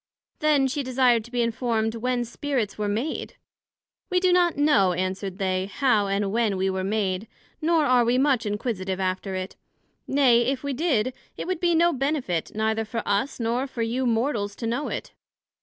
Then she desired to be informed when Spirits were made? We do not know, answered they, how and when we were made, nor are we much inquisitive after it; nay, if we did, it would be no benefit, neither for us, nor for you Mortals to know it.